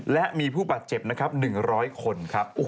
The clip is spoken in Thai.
และมีผู้ปัดเจ็บ๑๐๐คนครับ